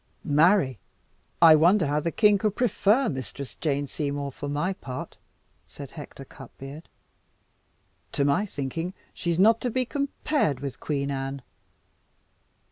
"Marry, I wonder how the king could prefer Mistress Jane Seymour, for my part!" said Hector Cutbeard. "To my thinking she is not to be compared with Queen Anne."